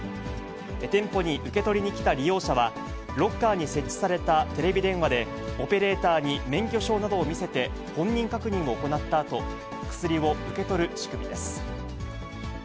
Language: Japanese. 店舗に受け取りにきた利用者は、ロッカーに設置されたテレビ電話でオペレーターに免許証などを見せて、本人確認を行ったあと、薬を受け取る仕組みです。